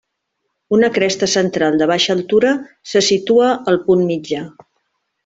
Una cresta central de baixa altura se situa al punt mitjà.